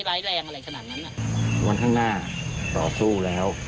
วันข้างหน้าภารกิจการรอสู้แล้ว